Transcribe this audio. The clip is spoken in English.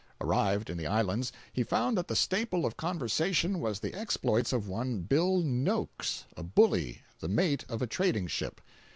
Arrived in the islands, he found that the staple of conversation was the exploits of one Bill Noakes, a bully, the mate of a trading ship.